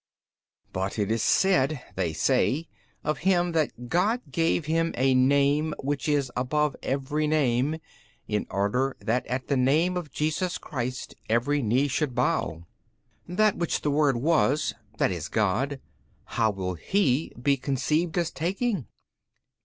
B. But it is said (they say) of Him that God gave Him a Name which is above every name, in order that at the name of Jesus Christ every knee should bow. That which the Word was, i.e., God, how will He be conceived as taking?